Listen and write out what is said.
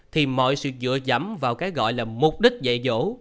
thì mọi sự dựa dẩm vào cái gọi là mục đích dạy dỗ